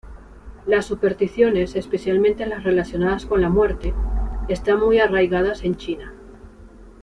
Las supersticiones, especialmente las relacionadas con la muerte, están muy arraigadas en China.